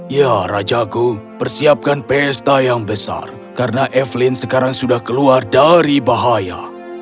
ya rajago persiapkan pesta yang besar karena evelyn sekarang sudah keluar dari bahaya